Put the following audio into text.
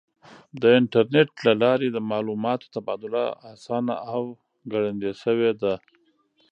د انټرنیټ له لارې د معلوماتو تبادله آسانه او ګړندۍ شوې ده.